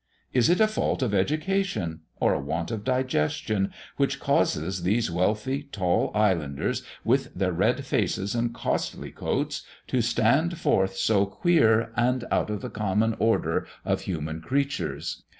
Is it a fault of education, or a want of digestion, which causes these wealthy, tall islanders, with their red faces and costly coats, to stand forth so queer, and out of the common order of human creatures?